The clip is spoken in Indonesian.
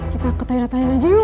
kita ketahuin atahuin aja yuk